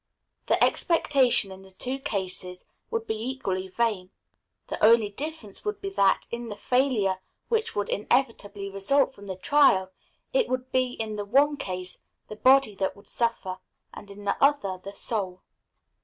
The expectation in the two cases would be equally vain. The only difference would be that, in the failure which would inevitably result from the trial, it would be in the one case the body that would suffer, and in the other the soul.